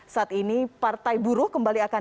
saat ini partai buruh kembali akan